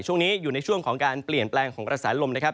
ช่วงนี้อยู่ในช่วงของการเปลี่ยนแปลงของกระแสลมนะครับ